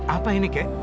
apa ini kek